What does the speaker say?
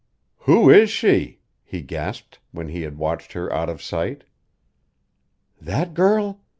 "Who is she?" he gasped, when he had watched her out of sight. "That girl?